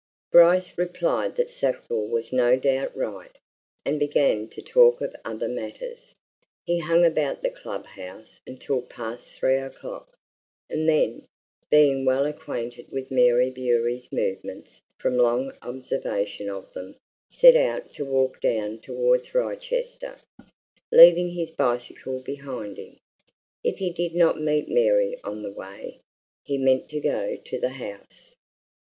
Bryce replied that Sackville was no doubt right, and began to talk of other matters. He hung about the club house until past three o'clock, and then, being well acquainted with Mary Bewery's movements from long observation of them, set out to walk down towards Wrychester, leaving his bicycle behind him. If he did not meet Mary on the way, he meant to go to the house.